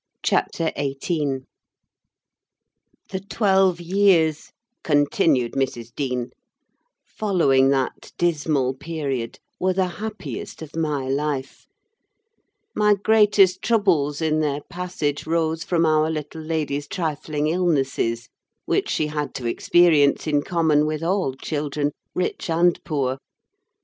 CHAPTER XVIII The twelve years, continued Mrs. Dean, following that dismal period were the happiest of my life: my greatest troubles in their passage rose from our little lady's trifling illnesses, which she had to experience in common with all children, rich and poor.